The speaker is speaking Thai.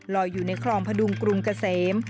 อยู่ในคลองพดุงกรุงเกษม